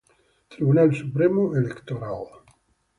Tribunal Supremo Electoral